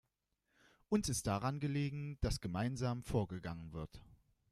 Uns ist daran gelegen, dass gemeinsam vorgegangen wird.